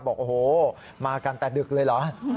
บอกโอ้โหมากันแต่ดึกเลยเหรอ